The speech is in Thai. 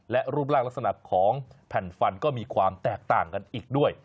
และรูปร่างลักษณะของแผ่นฟันก็มีความแตกต่างกันอีกด้วย